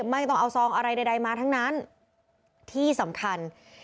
ไม่ต้องเอาซองอะไรใดมาทั้งนั้นที่สำคัญ